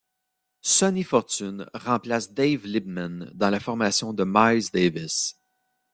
Sonny Fortune remplace Dave Liebman dans la formation de Miles Davis.